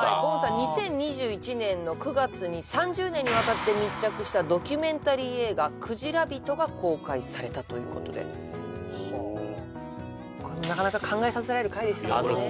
２０２１年の９月に３０年にわたって密着したドキュメンタリー映画「くじらびと」が公開されたということでこれもなかなか考えさせられる回でしたもんね